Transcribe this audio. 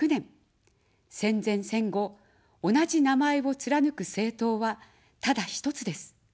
戦前、戦後、同じ名前をつらぬく政党はただ一つです。